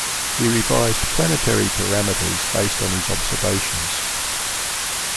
He revised planetary parameters based on his observations.